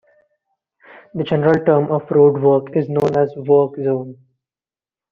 The general term of road work is known as work zone.